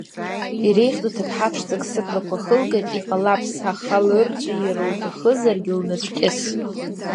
Иреиӷьӡоу ҭыԥҳаԥшӡак сыблақәа хылкит, иҟалап сахалырҵәир лҭахызаргь лнацәкьыс!